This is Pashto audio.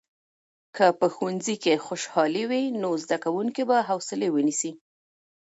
که په ښوونځي کې خوشالي وي، نو زده کوونکي به حوصلې ونیسي.